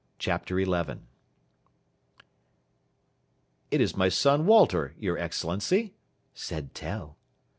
CHAPTER XI "It is my son Walter, your Excellency," said Tell.